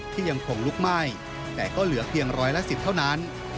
ยังคงลุกไหม้แต่ก็เหลือเพียงร้อยละ๑๐เท่านั้น